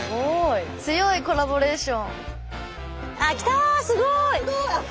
強いコラボレーション。